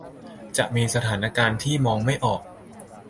จะมีสถานการณ์ที่มองไม่ออก